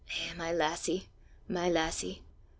Eh, my lassie! my lassie!